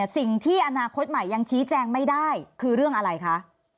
สิ่งที่อนาคตใหม่ยังชี้แจงไม่ได้คือเรื่องอะไรคะ